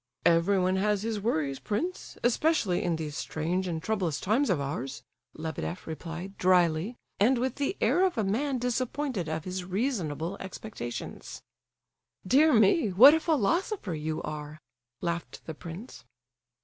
"Everyone has his worries, prince, especially in these strange and troublous times of ours," Lebedeff replied, drily, and with the air of a man disappointed of his reasonable expectations. "Dear me, what a philosopher you are!" laughed the prince.